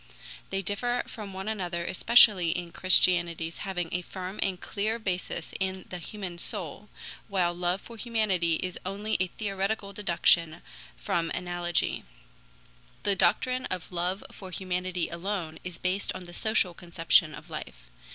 They differ from one another especially in Christianity's having a firm and clear basis in the human soul, while love for humanity is only a theoretical deduction from analogy. The doctrine of love for humanity alone is based on the social conception of life.